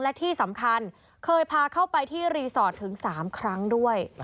และที่สำคัญเคยพาเข้าไปที่รีสอร์ทถึง๓ครั้งด้วย